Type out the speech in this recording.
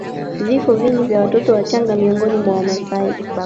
Vifo vingi vya watoto wachanga miongoni mwa Wamasai